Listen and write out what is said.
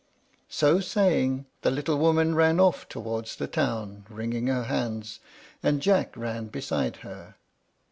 So saying, the little woman ran off towards the town, wringing her hands, and Jack ran beside her.